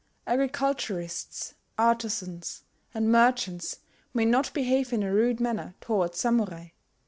Agriculturists, artizans, and merchants may not behave in a rude manner towards Samurai.